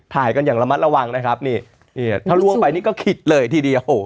ถ่ายกันอย่างระมัดระวังนะครับนี่นี่ถ้าล่วงไปนี่ก็คิดเลยทีเดียวโอ้โห